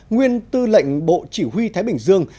nguyên tư lệnh bộ chỉ huy thái bình dương